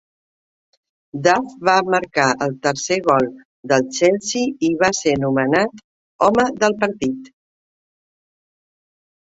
Duff va marcar el tercer gol del Chelsea i va ser nomenat "Home del partit".